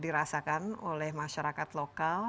dirasakan oleh masyarakat lokal